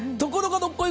どっこい